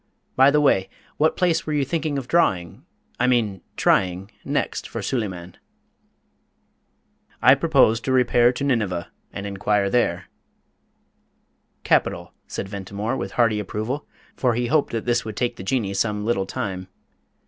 By the way, what place were you thinking of drawing I mean trying next for Suleyman?" "I purpose to repair to Nineveh, and inquire there." "Capital," said Ventimore, with hearty approval, for he hoped that this would take the Jinnee some little time.